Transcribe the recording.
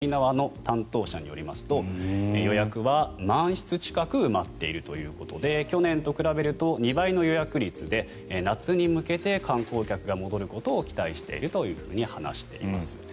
この高級ホテルの１つでもあります、星野リゾートの星のや沖縄の担当者によりますと予約は満室近く埋まっているということで去年と比べると２倍の予約率で夏に向けて観光客が戻ることを期待しているというふうに話しています。